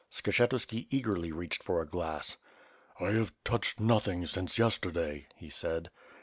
Skshetuski eagerly reached for a glass. *T have touched nothing since yesterday," he said.